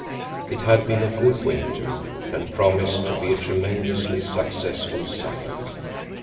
It had been a good winter and promised to be a tremendously successful summer.